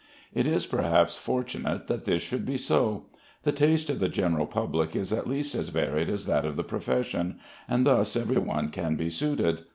It is, perhaps, fortunate that this should be so. The taste of the general public is at least as varied as that of the profession, and thus every one can be suited.